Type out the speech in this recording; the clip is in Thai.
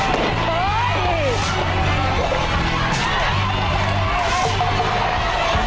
เฮ้ยเฮ้ยเฮ้ย